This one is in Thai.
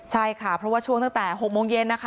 ใช่ค่ะเพราะว่าช่วงตั้งแต่๖โมงเย็นนะคะ